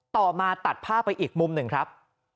ต่อมาตัดภาพไปอีกมุมหนึ่งครับ